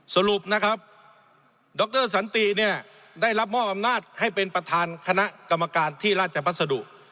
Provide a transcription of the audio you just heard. สรุปนะครับดรสันติเนี่ยได้รับมอบอำนาจให้เป็นประธานคณะกรรมการที่ราชพัสดุ